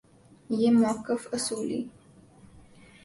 یہ موقف اصولی